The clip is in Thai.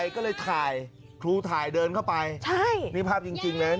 ก็เลยถ่ายครูถ่ายเดินเข้าไปใช่นี่ภาพจริงเลย